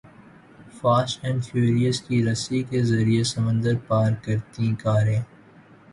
fast and Furious کی رسی کے ذریعے سمندر پار کرتیں کاریں